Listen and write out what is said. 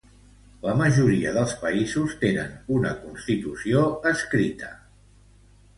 La majoria dels països tenen una constitució escrita.